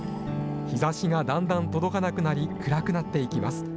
日ざしがだんだん届かなくなり、暗くなっていきます。